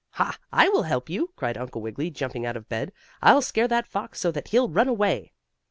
"Ha! I will help you!" cried Uncle Wiggily jumping out of bed. "I'll scare that fox so that he'll run away."